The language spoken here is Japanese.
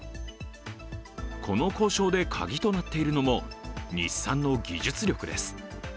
この交渉で鍵となっているのも日産の技術力です。